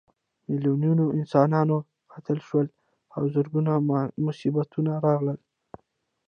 میلیونونه انسانان قتل شول او زرګونه مصیبتونه راغلل.